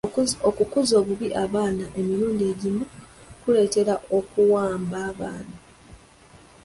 Okukuza obubi abaana emirundi egimu kuleetera okuwamba abaana.